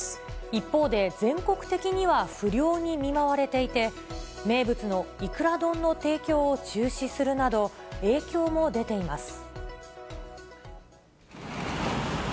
一方で全国的には不漁に見舞われていて、名物のいくら丼の提供を中止するなど、影響も出ています。